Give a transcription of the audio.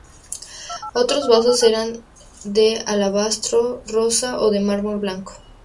Otros vasos eran de alabastro rosa o de mármol blanco.